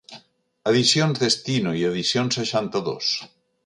Edicions Destino i Edicions seixanta-dos.